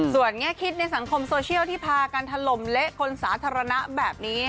ส่วนแง่คิดในสังคมโซเชียลที่พากันถล่มเละคนสาธารณะแบบนี้